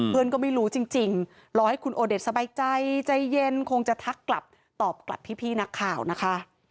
เพื่อนก็ไม่รู้จริงรอให้คุณโอเดชสบายใจใจเย็นคงจะทักกลับตอบกลับพี่นักข่าวนะคะ